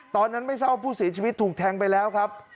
ตอนนั้นไม่เช่าผู้ศรีชีวิตถูกแทงไปแล้วครับ